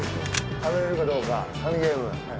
食べられるかどうかカニゲーム。